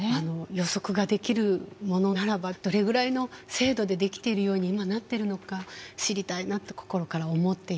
予測ができるものならばどれぐらいの精度でできているように今なってるのか知りたいなと心から思っています。